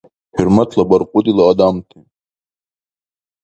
ХӀурматла баркьудила адамти!